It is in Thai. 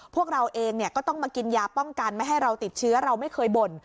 พวกเราเองก็ต้องมากินยาป้องกันไม่ให้เราติดเชื้อเราไม่เคยบ่น